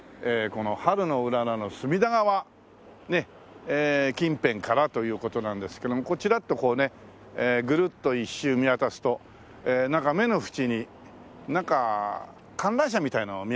この春のうららの隅田川近辺からという事なんですけれどもちらっとこうねグルッと一周見渡すとなんか目の縁になんか観覧車みたいなの見えませんでした？